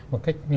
một cách đúng với